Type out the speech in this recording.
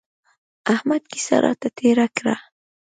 احمد کيسه راته تېره کړه.